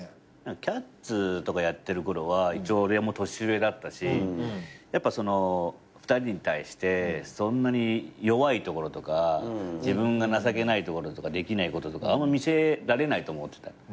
『キャッツ』とかやってるころは一応俺も年上だったしやっぱ２人に対してそんなに弱いところとか自分が情けないところとかできないこととかあんま見せられないと思ってた。